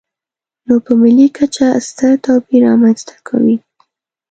نو په ملي کچه ستر توپیر رامنځته کوي.